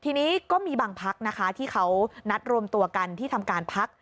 ทีนี้ก็มีบางพักนะคะที่เขานัดรวมตัวกันที่ทำการพัก